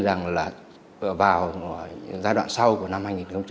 giai đoạn sau của năm hai nghìn hai mươi bốn